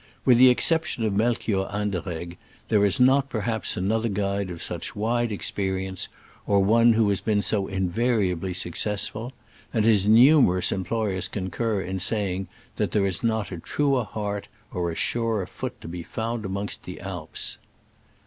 With the exception of Melchior Anderegg, there is not, perhaps, another guide of such wide experience, or one who has been so invariably successful ; and his numer ous employers concur in saying that there is not a truer heart or a surer foot to be found amongst the Alps.